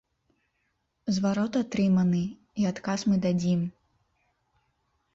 Зварот атрыманы, і адказ мы дадзім.